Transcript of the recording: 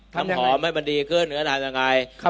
ทำหอมให้มันดีขึ้นทำอย่างไร